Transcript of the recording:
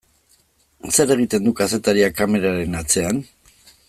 Zer egiten du kazetariak kameraren atzean?